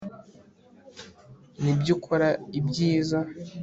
nibyo ukora ibyiza